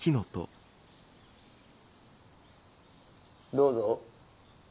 どうぞ。